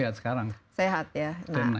dan sehat sekarang